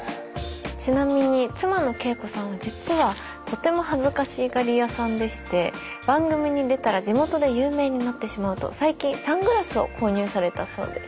ちなみに妻の敬子さんは実はとても恥ずかしがり屋さんでして番組に出たら地元で有名になってしまうと最近サングラスを購入されたそうです。